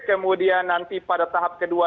kemudian nanti pada tahap kedua